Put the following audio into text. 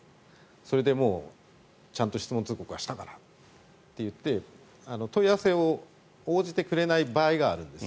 それでもう、ちゃんと質問通告はしたからって言って問い合わせを応じてくれない場合があるんです。